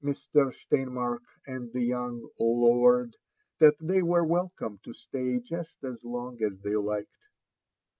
Steinmark and the young "Xfortf," that "they were welcome to stay jest as long as they liked."